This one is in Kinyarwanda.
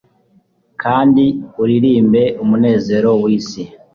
kandi uririmbe umunezero w'isi